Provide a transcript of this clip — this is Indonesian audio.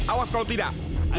awas kalau tidak